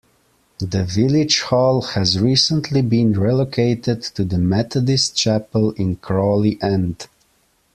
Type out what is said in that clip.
The village hall has recently been relocated to the Methodist chapel in Crawley End.